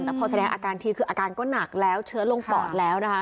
แต่พอแสดงอาการทีคืออาการก็หนักแล้วเชื้อลงปอดแล้วนะคะ